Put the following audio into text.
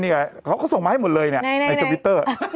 เป็นการกระตุ้นการไหลเวียนของเลือด